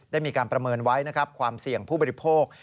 มีการประเมินไว้นะครับความเสี่ยงผู้บริโภค